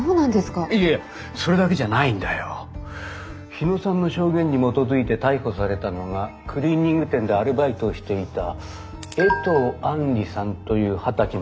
日野さんの証言に基づいて逮捕されたのがクリーニング店でアルバイトをしていた衛藤杏莉さんという二十歳の女性でね。